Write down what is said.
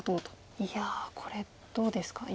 いやこれどうですか今。